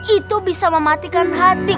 itu bisa mematikan hati